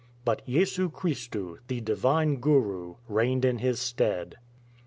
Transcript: But Yesu Kristu, the Divine Guru, reigned in its stead.